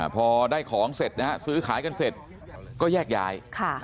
พอได้ของเสร็จนะฮะซื้อขายกันเสร็จก็แยกย้าย